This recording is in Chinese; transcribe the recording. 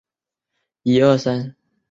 该党的总部位于雷克雅未克。